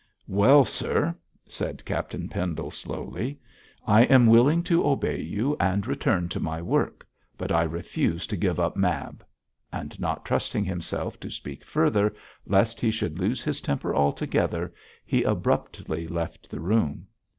'Well, sir,' said Captain Pendle, slowly, 'I am willing to obey you and return to my work, but I refuse to give up Mab,' and not trusting himself to speak further, lest he should lose his temper altogether, he abruptly left the room.